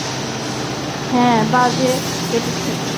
হ্যাঁ, বাজে কেটেছে।